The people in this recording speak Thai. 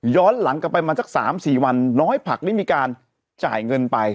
หลังกลับไปมาสัก๓๔วันน้อยผักได้มีการจ่ายเงินไป